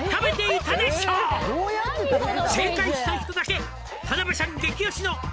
「正解した人だけ田辺さん激推しの」